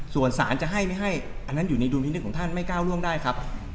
ส่วนสารจะให้ไม่ให้อันนั้นอยู่ในดุลพินิษฐ์ของท่านไม่ก้าวล่วงได้ครับ